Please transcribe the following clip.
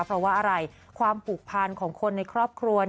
เพราะว่าอะไรความผูกพันของคนในครอบครัว